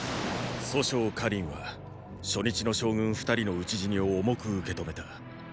楚将燐は初日の将軍二人の討ち死にを重く受け止めた。